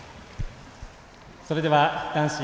それでは男子５０